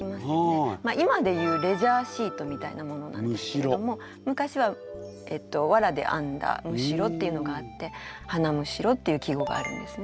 今で言うレジャーシートみたいなものなんですけれども昔は藁で編んだ筵っていうのがあって「花筵」っていう季語があるんですね。